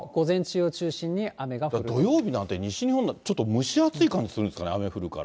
土曜日なんて、西日本、ちょっと蒸し暑い感じするんですかね、雨降るから。